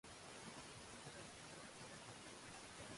San Francisco dismissed the Hawks four games to three.